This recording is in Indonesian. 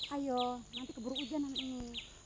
ayo nanti keburu hujan anak lu